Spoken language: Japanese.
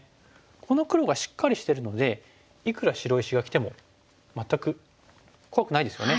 この黒がしっかりしてるのでいくら白石がきても全く怖くないですよね。